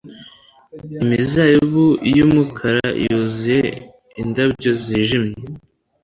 imizabibu yumukara yuzuye indabyo zijimye